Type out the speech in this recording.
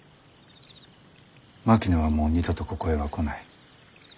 槙野はもう二度とここへは来ない。